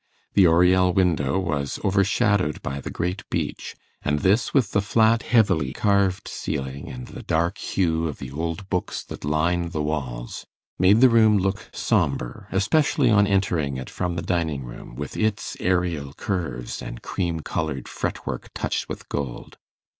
The oriel window was overshadowed by the great beech, and this, with the flat heavily carved ceiling and the dark hue of the old books that lined the walls, made the room look sombre, especially on entering it from the dining room, with its aerial curves and cream coloured fretwork touched with gold.